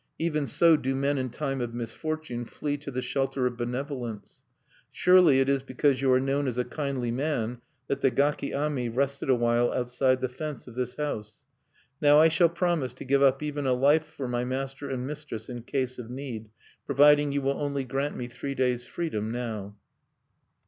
Even so do men in time of misfortune flee to the shelter of benevolence. "Surely it is because you are known as a kindly man that the gaki ami rested a while outside the fence of this house. "Now I shall promise to give up even a life for my master and mistress in case of need, providing you will only grant me three days' freedom now."